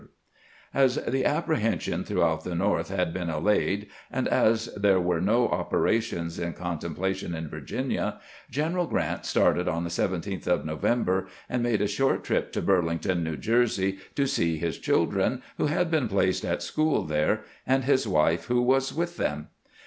GKANT VISITS NEW YORK 325 As the apprehension throughout the North had been allayed, and as there were no operations in contemplation in Virginia, G eneral Grant started on the 17th of Novem ber, and made a short trip to Burlington, New Jersey, to see his children, who had been placed at school there, and his wife, who was with them.